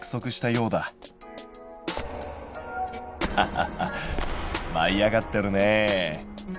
ハハハッまい上がってるねえ。